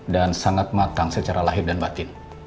dan sangat matang secara lahir dan batin